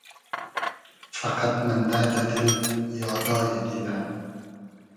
فئقئد مئندۂ دۂ دیل یادای دیدۂ